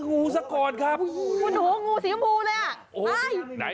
น้องนู้สีชมพูเลย